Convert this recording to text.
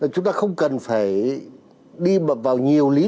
chúng ta không cần phải đi vào nhiều lý luận